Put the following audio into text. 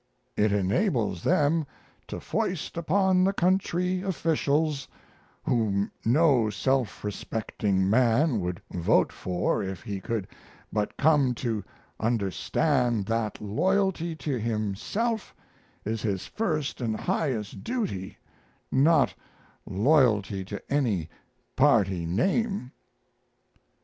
It enables them to foist upon the country officials whom no self respecting man would vote for if he could but come to understand that loyalty to himself is his first and highest duty, not loyalty to any party name.